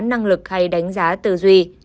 năng lực hay đánh giá tư duy